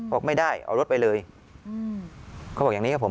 บอกไม่ได้เอารถไปเลยอืมเขาบอกอย่างนี้ครับผม